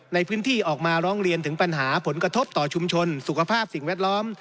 ในพื้นที่ออกมาร้องเรียนถึงปัญหาผลกระทบต่อชุมชนสุขภาพสิ่งแวดล้อม